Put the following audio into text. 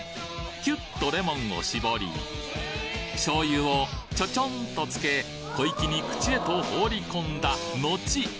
キュッとレモンを搾り醤油をちょちょんとつけ小粋に口へと放り込んだのち